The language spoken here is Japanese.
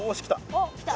おっ来た。